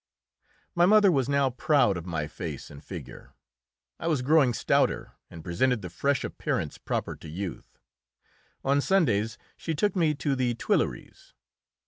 My mother was now proud of my face and figure; I was growing stouter, and presented the fresh appearance proper to youth. On Sundays she took me to the Tuileries.